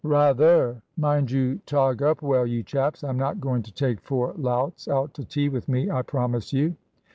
"Rather. Mind you tog up well, you chaps; I'm not going to take four louts out to tea with me, I promise you."